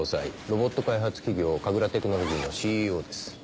ロボット開発企業神楽テクノロジーのＣＥＯです。